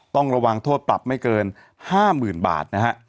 ต้องระวังโทษปรับไม่เกิน๕๐๐๐บาทนะฮะ